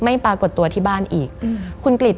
มันกลายเป็นรูปของคนที่กำลังขโมยคิ้วแล้วก็ร้องไห้อยู่